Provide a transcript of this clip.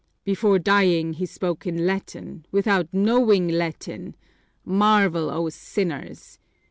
"Before dying he spoke in Latin, without knowing Latin! Marvel, O sinners!